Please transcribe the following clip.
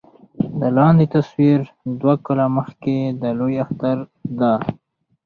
دا لاندې تصوير دوه کاله مخکښې د لوئے اختر دے